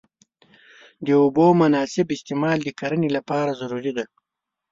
د اوبو مناسب استعمال د کرنې لپاره ضروري دی.